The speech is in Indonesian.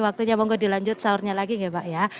waktunya monggo dilanjut sahurnya lagi ya pak ya